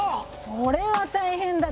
それは大変だ。